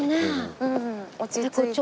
うん落ち着いた。